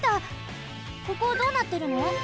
ここどうなってるの？